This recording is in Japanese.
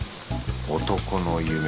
男の夢。